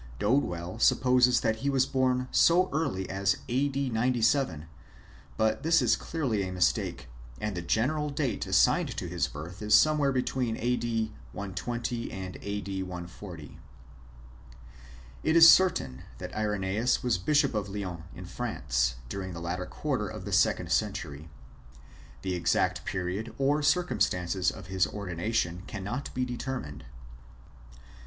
Dodwell sup poses that he was born so early as a.d. 97, but this is clearly a mistake ; and the general date assigned to his birth is somewhere between a.d. 120 and a.d. 140. It is certain that Irenseus was bishop of Lyons, in France, during the latter quarter of the second century. The exact period or circumstances of his ordination cannot be deter mined.